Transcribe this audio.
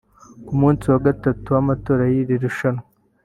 Ku munsi wa gatatu w’amatora y’iri rushanwa